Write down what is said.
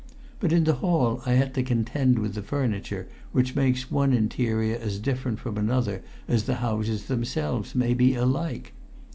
But in the hall I had to contend with the furniture which makes one interior as different from another as the houses themselves may be alike.